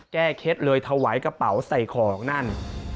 เคล็ดเลยถวายกระเป๋าใส่ของนั่น